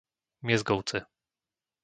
Miezgovce